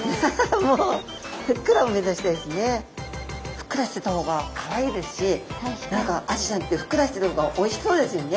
ふっくらしてた方がかわいいですし何かアジちゃんってふっくらしてる方がおいしそうですよね。